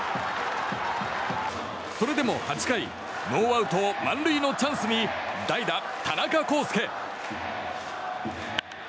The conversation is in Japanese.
それでも８回ノーアウト満塁のチャンスに代打、田中広輔。